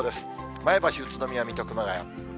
前橋、宇都宮、水戸、熊谷。